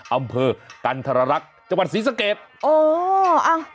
อัมเภอกันธรรรัะขวรนัส